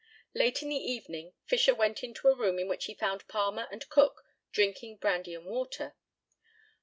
Late in the evening Fisher went into a room in which he found Palmer and Cook drinking brandy and water.